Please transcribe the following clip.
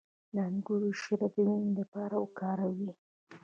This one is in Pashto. د انګور شیره د وینې لپاره وکاروئ